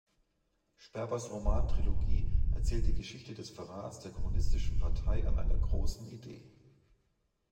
Sperbers Romantrilogie erzählt die Geschichte des Verrats der kommunistischen Partei an einer großen Idee.